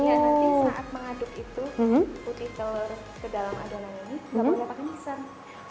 iya nanti saat mengaduk itu putih telur ke dalam adonan ini nggak perlu pakai pisang